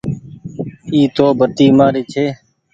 اي تو بتي مآري ڇي۔